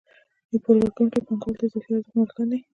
پور ورکوونکي پانګوال د اضافي ارزښت مالکان دي